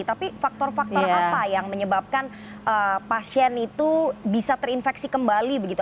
tapi faktor faktor apa yang menyebabkan pasien itu bisa terinfeksi kembali begitu